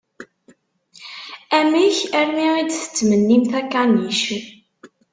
Amek armi i d-tettmennimt akanic?